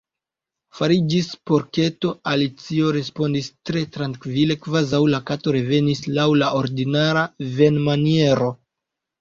"Fariĝis porketo," Alicio respondis tre trankvile, kvazaŭ la Kato revenis laŭ la ordinara venmaniero.